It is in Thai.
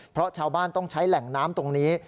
เพราะชาวบ้านต้องใช้แหล่งน้ำตรงนี้